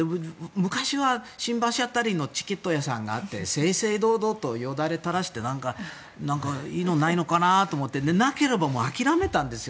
昔は新橋辺りのチケット屋さんがあって正々堂々と、よだれを垂らしてなんかいいのないのかなと思ってなければ諦めたんですよ。